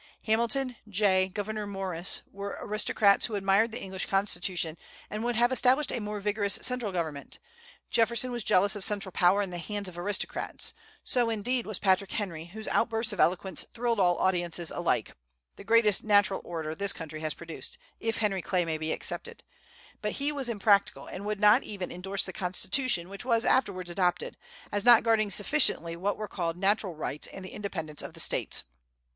Hamilton, Jay, Gouverneur Morris, were aristocrats who admired the English Constitution, and would have established a more vigorous central government. Jefferson was jealous of central power in the hands of aristocrats. So indeed was Patrick Henry, whose outbursts of eloquence thrilled all audiences alike, the greatest natural orator this country has produced, if Henry Clay may be excepted; but he was impractical, and would not even endorse the Constitution which was afterwards adopted, as not guarding sufficiently what were called natural rights and the independence of the States.